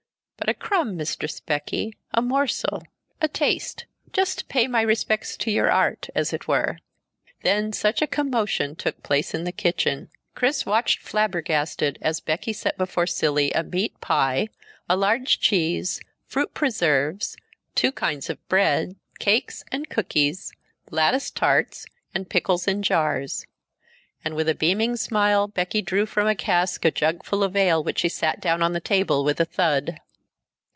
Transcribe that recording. "But a crumb, Mistress Becky. A morsel. A taste. Just to pay my respects to your art, as it were." Then such a commotion took place in the kitchen. Chris watched flabbergasted, as Becky set before Cilley a meat pie, a large cheese, fruit preserves, two kinds of bread, cakes and cookies, latticed tarts, and pickles in jars. And with a beaming smile Becky drew from a cask a jugful of ale which she set down on the table with a thud.